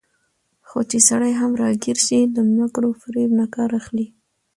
خو چې سړى هم راګېر شي، له مکر وفرېب نه کار اخلي